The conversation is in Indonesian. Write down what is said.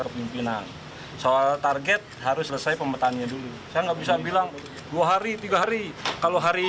tidak diromak total kalau diromak total kasihan dong ini lapas suka miskin yang udah bagus